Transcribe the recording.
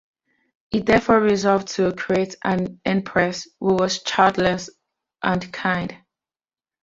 He therefore resolved to create an empress who was childless and kind.